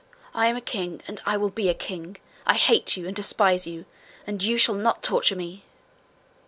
I am a king, and I will be a king. I hate you and despise you, and you shall not torture me!'